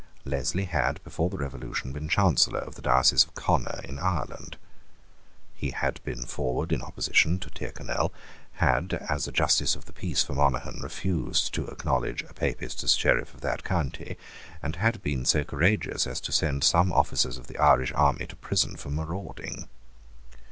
Leslie had, before the Revolution, been Chancellor of the diocese of Connor in Ireland. He had been forward in opposition to Tyrconnel; had, as a justice of the peace for Monaghan, refused to acknowledge a papist as Sheriff of that county; and had been so courageous as to send some officers of the Irish army to prison for marauding.